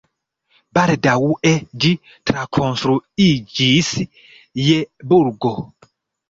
Baldaŭe ĝi trakonstruiĝis je burgo.